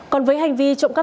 còn với hành vi trộm khai